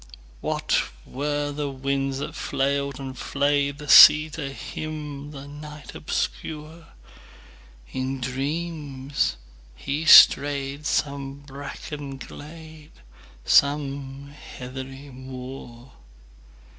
What were the winds that flailed and flayedThe sea to him, the night obscure? In dreams he strayed some brackened glade, Some heathery moor.